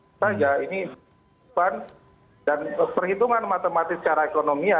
ini pertanyaan dan perhitungan matematis secara ekonomi